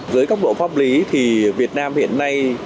dưới cấp độ pháp lý thì việt nam hiện nay